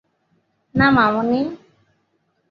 না, মামুনি।